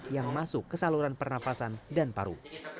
yang masuk ke saluran pernafasan dan paru